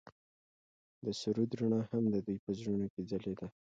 د سرود رڼا هم د دوی په زړونو کې ځلېده.